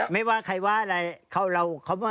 ไม่ว่าใครว่าอะไร